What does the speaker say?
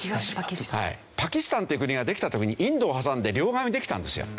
パキスタンっていう国ができた時にインドを挟んで両側にできたんですよ。